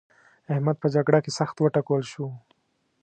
احمد په جګړه کې سخت وټکول شو.